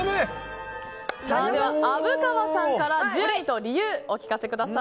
虻川さんから順位と理由をお聞かせください。